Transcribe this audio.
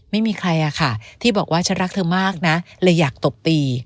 ไม่มีใครอะค่ะที่บอกว่าฉันรักเธอมากนะเลยอยากตบตี